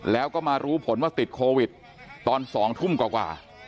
แล้วก็มารู้ผลว่าติดโควิดตอน๒ทุ่มกว่า